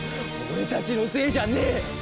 俺たちのせいじゃねえ！